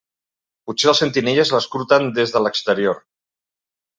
Potser els sentinelles l'escruten des de l'exterior.